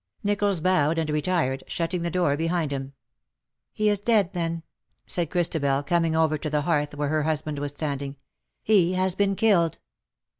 Nicholls bowed and retired, shutting the door behind him. " He is dead, then," said Christabel, coming over to the hearth where her husband was standing. ''He has been killed."